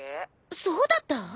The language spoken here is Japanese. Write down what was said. そうだった？